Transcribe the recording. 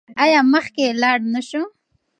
آیا مخکې لاړ نشو؟